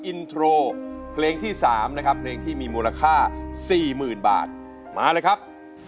อินโทรเพลงที่๓นะครับเพลงที่มีมูลค่า๔๐๐๐บาทมาเลยครับ